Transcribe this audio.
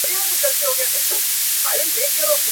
آس په خپل پوره همت سره د ټول کلي پام ځان ته واړاوه.